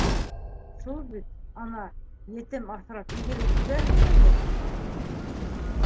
Шул бит, ана, етем аҫрап изгелек күрәһеңме ни?